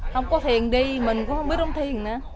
không có thiền đi mình cũng không biết đóng thi nữa